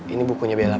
ini bukunya bella pak